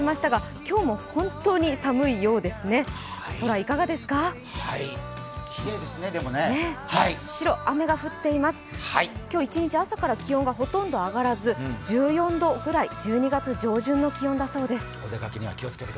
今日一日、朝から気温がほとんど上がらず１４度くらい、１２月上旬の気温だそうです。